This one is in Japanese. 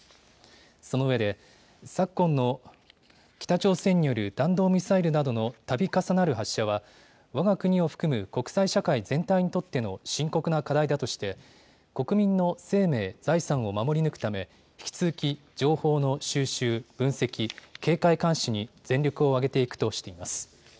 そのうえで昨今の北朝鮮による弾道ミサイルなどのたび重なる発射はわが国を含む国際社会全体にとっての深刻な課題だとして国民の生命・財産を守り抜くため引き続き、情報の収集・分析、警戒監視に全力を挙げていくとしています。